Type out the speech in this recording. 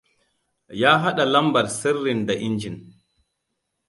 Ya haɗa lambar sirrin da injin.